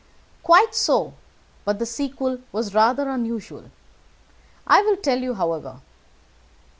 "Quite so, but the sequel was rather unusual. I will tell you, however.